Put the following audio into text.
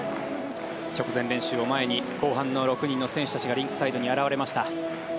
直前練習を前に後半の６人の選手がリンクサイドに現れました。